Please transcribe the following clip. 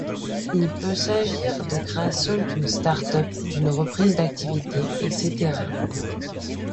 Il peut s'agir de création d'une Start Up, d'une reprise d'activité, etc.